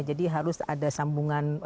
jadi harus ada sambungan